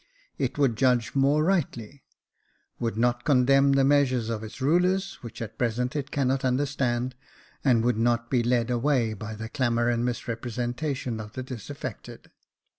It would judge more rightly, would not condemn the measures of its rulers, which at present it cannot understand, and would not be led away by the clamour and misrepresentation of the disaffected.